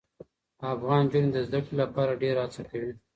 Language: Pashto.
افغان نجونې د زده کړې لپاره ډېره هڅه کوي.